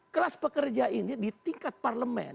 kelas pekerja ini di tingkat parlemen